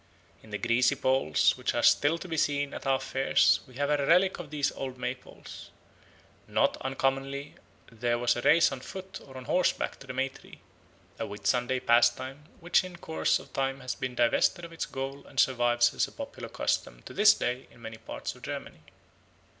In the greasy poles which are still to be seen at our fairs we have a relic of these old May poles. Not uncommonly there was a race on foot or on horseback to the May tree a Whitsunday pastime which in course of time has been divested of its goal and survives as a popular custom to this day in many parts of Germany."